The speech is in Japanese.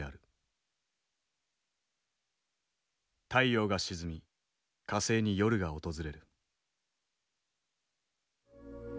太陽が沈み火星に夜が訪れる。